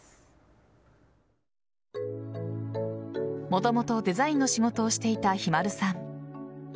もともとデザインの仕事をしていたひまるさん。